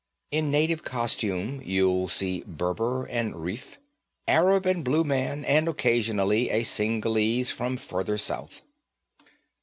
In native costume you'll see Berber and Rif, Arab and Blue Man, and occasionally a Senegalese from further south.